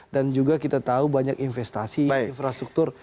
juga kita tahu banyak investasi infrastruktur